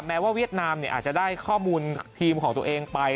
แม้ว่าเวียดนามอาจจะได้ข้อมูลทีมของตัวเองไป